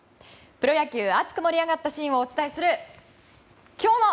プロ野球熱く盛り上がったシーンをお伝えする今日の。